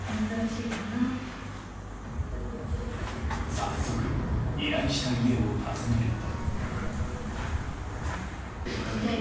早速、依頼した家を訪ねると。